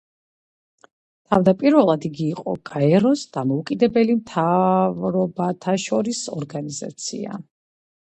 თავდაპირველად იგი იყო გაეროს დამოუკიდებელი მთავრობათაშორისი ორგანიზაცია.